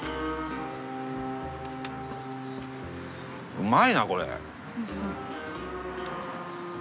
うまいなこれ。